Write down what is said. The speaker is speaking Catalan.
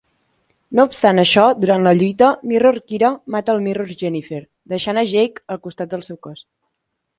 No obstant això, durant la lluita, Mirror Kira mata al Mirror Jennifer, deixant a Jake al costat del seu cos.